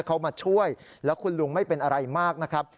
เขามาช่วยแล้วคุณลุงไม่เป็นอะไรมากนะครับ